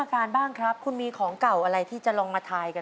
ไม่ถูกค่ะลูลละ๔บาทค่ะ